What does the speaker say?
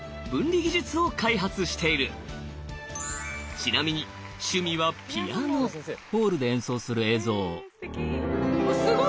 ちなみにすごっ！